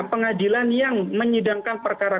pengadilan yang menyidangkan perkara